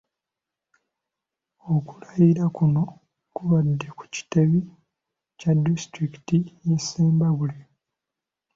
Okulayira kuno kubadde ku kitebe kya disitulikiti y’e Ssembabule.